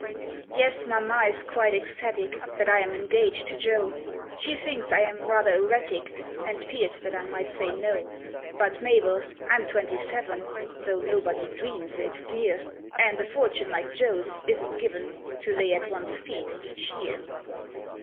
Yes, mamma is quite ecstatic That I am engaged to Joe; She thinks I am rather erratic, And feared that I might say "No." But, Mabel, I'm twenty seven (Though nobody dreams it, dear), And a fortune like Joe's isn't given To lay at one's feet each year.